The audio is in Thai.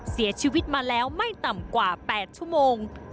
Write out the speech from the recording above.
เสียชีวิตมาแล้วไม่ต่ำกว่า๘ชั่วโมง